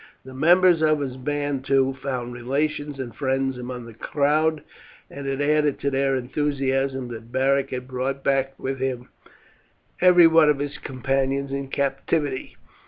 The members of his band, too, found relations and friends among the crowd, and it added to their enthusiasm that Beric had brought back with him every one of his companions in captivity.